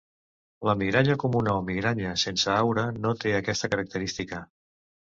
La migranya comuna o migranya sense aura, no té aquesta característica.